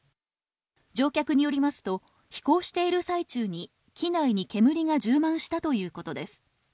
乗客によりますと、飛行している最中に機内に煙が充満したということです。